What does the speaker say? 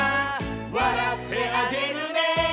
「わらってあげるね」